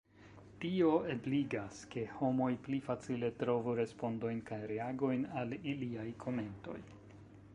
Tio ebligas, ke homoj pli facile trovu respondojn kaj reagojn al iliaj komentoj.